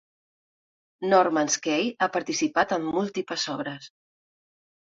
Norman's Cay ha participat en múltiples obres.